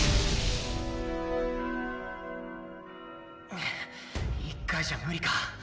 ハァッ１回じゃ無理か！